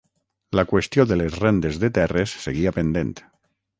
La qüestió de les rendes de terres seguia pendent.